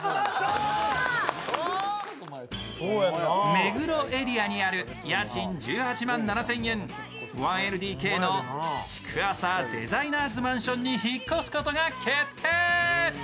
目黒エリアにある家賃１８万７０００円、１ＬＤＫの築浅デザイナーズマンションに引っ越すことが決定。